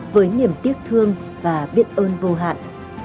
với niềm tiếc thương và biết ơn vô hạn